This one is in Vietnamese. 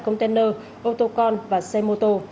container ô tô con và xe mô tô